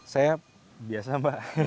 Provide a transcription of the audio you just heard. saya biasa mbak